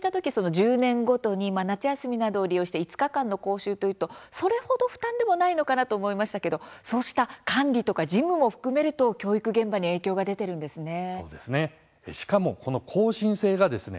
１０年ごとに夏休みなどを利用して５日間の講習というとそれほど負担でもないのかなと思いましたけれどもそうした管理とか事務も含めると教育現場に影響が出ているんですね。